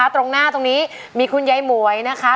ตรงหน้ามีคุณยัยหมวยนะคะ